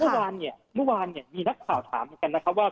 เมื่อวานมีนักข่าวถามเหมือนกันนะครับว่า